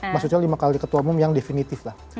maksudnya lima kali ketua umum yang definitif lah